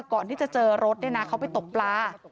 ก่อนที่จะเจอรถเขาไปตบปลา